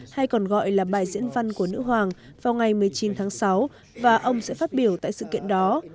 hay còn gọi là bài diễn văn của nữ hoàng vào ngày một mươi chín tháng sáu và ông sẽ phát biểu tại sự kiện đó